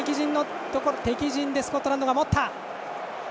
敵陣でスコットランドが持った！